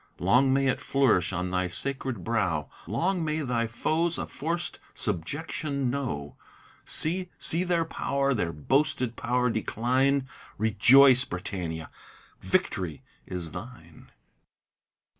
Long may it flourish on thy sacred brow! Long may thy foes a forc'd subjection know! See, see their pow'r, their boasted pow'r decline! Rejoice, Britannia! victory is thine."